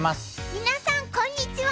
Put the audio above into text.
みなさんこんにちは。